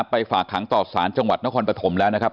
ไปฝากหางตอบสารจังหวัดนพแล้วนะครับ